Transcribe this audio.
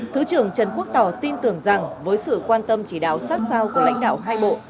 thứ trưởng trần quốc tỏ tin tưởng rằng với sự quan tâm chỉ đạo sát sao của lãnh đạo hai bộ